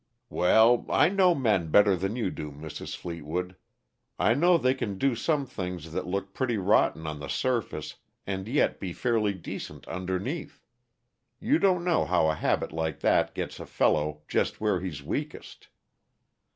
"Well, I know men better than you do, Mrs. Fleetwood. I know they can do some things that look pretty rotten on the surface, and yet be fairly decent underneath. You don't know how a habit like that gets a fellow just where he's weakest.